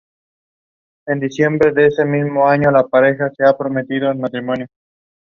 They described it as the "first political party global university in the world".